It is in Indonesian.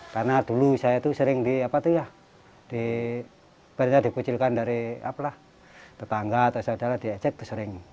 karena dulu saya itu sering di apa tuh ya di berarti dipucilkan dari apalah tetangga atau saudara di ejek tuh sering